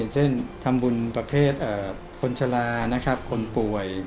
เช่นทำบุญประเภทคนชะลานะครับคนป่วย